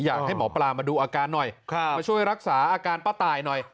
อยากให้หมอปลามาดูอาการหน่อยมาช่วยรักษาอาการป้าตายหน่อย